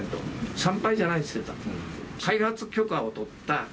産廃じゃないですよ。